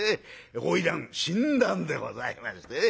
花魁死んだんでございましてね。